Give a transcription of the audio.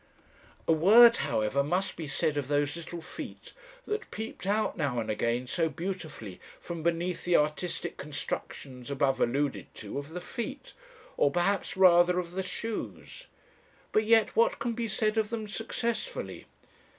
"A word, however, must be said of those little feet that peeped out now and again so beautifully from beneath the artistic constructions above alluded to of the feet, or perhaps rather of the shoes. But yet, what can be said of them successfully?